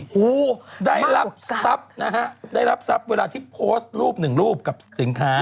หูได้รับทรัพย์นะฮะได้รับทรัพย์เวลาที่โพสต์รูปหนึ่งรูปกับสินค้า